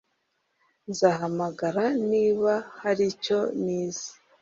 Nzahamagara niba hari icyo nize